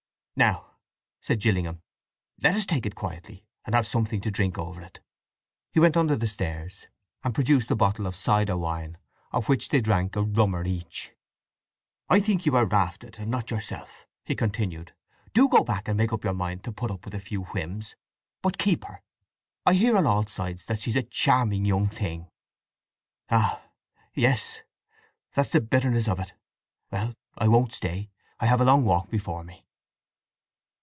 "Now," said Gillingham, "let us take it quietly, and have something to drink over it." He went under the stairs, and produced a bottle of cider wine, of which they drank a rummer each. "I think you are rafted, and not yourself," he continued. "Do go back and make up your mind to put up with a few whims. But keep her. I hear on all sides that she's a charming young thing." "Ah yes! That's the bitterness of it! Well, I won't stay. I have a long walk before me."